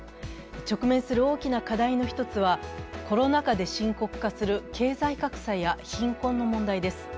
直面する大きな課題の一つは、コロナ禍で深刻化する経済格差や貧困の問題です。